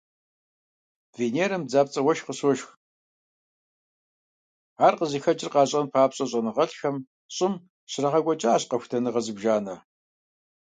Венерэм бдзапцIэ уэшх къыщошх. Ар къызыхэкIыр къащIэн папщIэ щIэныгъэлIхэм ЩIым щрагъэкIуэкIащ къэхутэныгъэ зыбжанэ.